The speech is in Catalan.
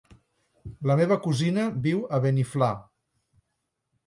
La meva cosina viu a Beniflà.